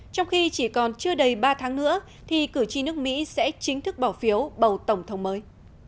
trong khi chỉ còn chưa đầy ba tháng nữa thì cử tri nước mỹ sẽ chính thức bỏ phiếu bầu tổng thống mới